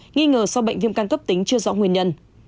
nghi ngờ sau bệnh viêm gan cấp tính chưa rõ nguyên nhân